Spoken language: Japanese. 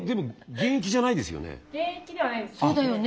現役じゃないですよね？